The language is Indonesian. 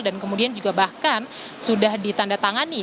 dan kemudian juga bahkan sudah ditandatangani